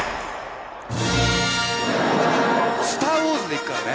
「スター・ウォーズ」でいくからね。